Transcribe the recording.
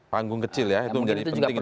panggung kecil ya itu menjadi penting gitu ya